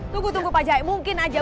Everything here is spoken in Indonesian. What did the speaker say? tunggu tunggu pak zaya